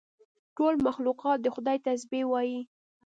ټول مخلوقات د خدای تسبیح وایي.